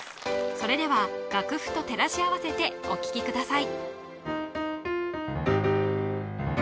それでは楽譜と照らし合わせてお聴きください